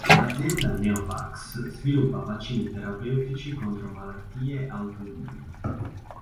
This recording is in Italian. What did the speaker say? L'azienda "Neo Vacs" sviluppa vaccini terapeutici contro le malattie autoimmuni.